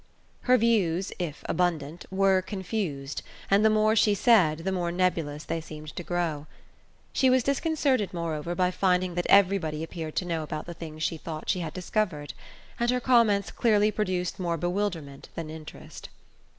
Her views, if abundant, were confused, and the more she said the more nebulous they seemed to grow. She was disconcerted, moreover, by finding that everybody appeared to know about the things she thought she had discovered, and her comments clearly produced more bewilderment than interest.